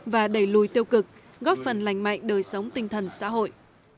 và đẩy lùi tiêu cực góp phần lành mạnh đời sống tinh thần xã hội